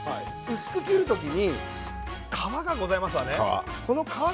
薄く切る時に皮がございますわね